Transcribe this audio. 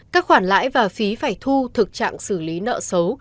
các khoản lãi và phí phải thu thực trạng xử lý nợ xấu